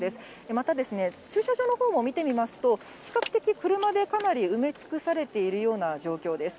また、駐車場のほうも見てみますと、比較的、車でかなり埋め尽くされているような状況です。